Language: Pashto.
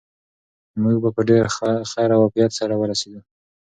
موږ په ډېر خیر او عافیت سره ورسېدو.